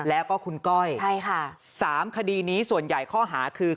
แล้วก็คุณก้อยใช่ค่ะ๓คดีนี้ส่วนใหญ่ข้อหาคือ